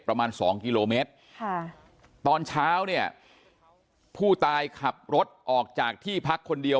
ประมาณสองกิโลเมตรค่ะตอนเช้าเนี่ยผู้ตายขับรถออกจากที่พักคนเดียว